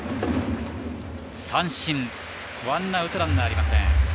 三振、ワンアウトランナーありません